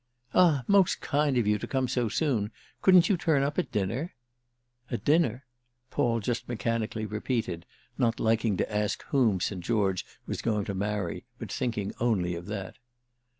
"Ah most kind of you to come so soon. Couldn't you turn up at dinner?" "At dinner?" Paul just mechanically repeated, not liking to ask whom St. George was going to marry, but thinking only of that.